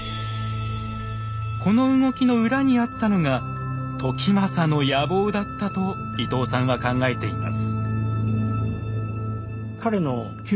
この動きの裏にあったのが時政の野望だったと伊藤さんは考えています。